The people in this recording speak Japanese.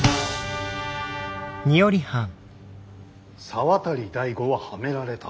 「沢渡大吾はハメられた！